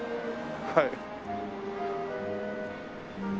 はい。